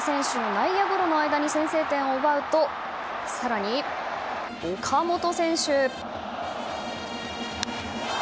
内野ゴロの間に先制点を奪うと、更に岡本選手。